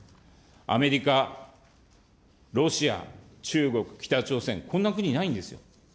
アメリカ、ロシア、中国、北朝鮮、こんな国ないんですよ。